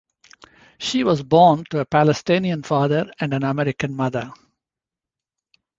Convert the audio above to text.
She was born to a Palestinian father and an American mother.